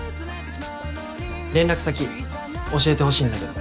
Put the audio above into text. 連絡先教えてほしいんだけど。